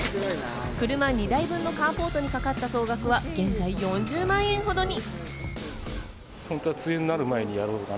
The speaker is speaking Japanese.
車２台分のカーポートにかかった総額は現在４０万円ほどに。